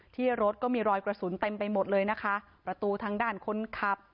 ที่รถก็มีรอยกระสุนเต็มไปหมดเลยนะคะประตูทางด้านคนขับ